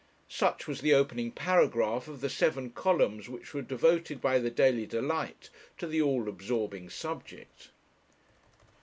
Such was the opening paragraph of the seven columns which were devoted by the Daily Delight to the all absorbing subject.